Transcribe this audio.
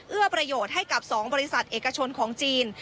เอื้อประโยชน์ให้กับ๒บริษัทเอกชนของจีน